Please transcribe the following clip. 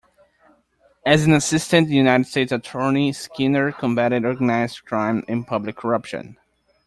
As an Assistant United States Attorney, Skinner combated organized crime and public corruption.